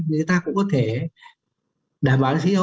người ta cũng có thể đảm bảo xin xã hội